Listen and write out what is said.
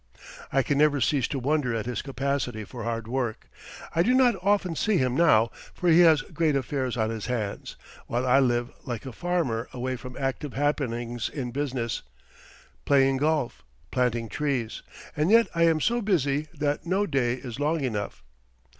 I can never cease to wonder at his capacity for hard work. I do not often see him now, for he has great affairs on his hands, while I live like a farmer away from active happenings in business, playing golf, planting trees; and yet I am so busy that no day is long enough.